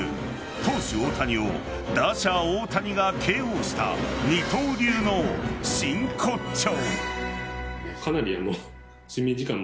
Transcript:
投手・大谷を打者・大谷がＫＯした二刀流の真骨頂。